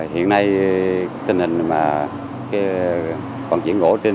hiện nay tình hình là vận chuyển khai thác